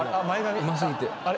うますぎて。